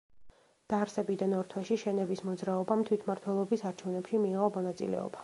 დაარსებიდან ორ თვეში შენების მოძრაობამ თვითმართველობის არჩევნებში მიიღო მონაწილეობა.